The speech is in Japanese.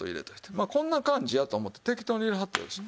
まあこんな感じやと思って適当に入れはったらよろしい。